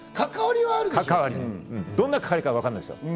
どんな関わりかはわからないですよ。